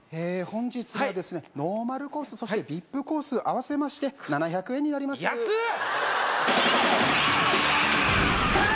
本日はですねノーマルコースそしてＶＩＰコース合わせまして７００円になります安っ！